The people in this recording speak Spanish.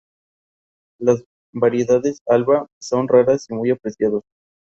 Está ligado al uso del patrimonio natural y cultural.